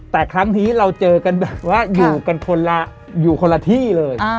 แต่ครั้งนี้เราเจอกันแบบว่าอยู่คนละที่เลย